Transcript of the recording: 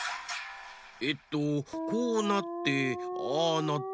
えっとこうなってああなって。